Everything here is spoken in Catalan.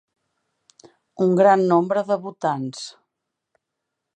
Un gran nombre de votants.